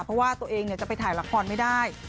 เพราะว่าตัวเองจะไปถ่ายละครไม่ได้